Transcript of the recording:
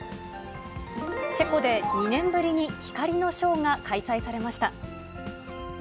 チェコで２年ぶりに光のショーが開催されました。